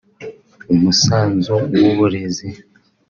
umusanzu w’uburezi